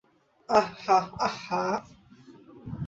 আহ-হাহ, আহ-হাহ।